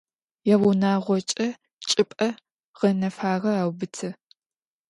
Yaunağoç'e çç'ıp'e ğenefağe aubıtı.